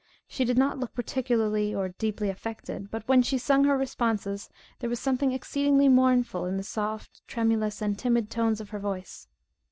She did not look particularly or deeply affected; but when she sung her responses, there was something exceedingly mournful in the soft, tremulous, and timid tones of her voice.